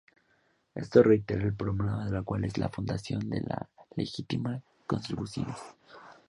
Eso reitera el problema de cual es la fundación que legitima las Constituciones.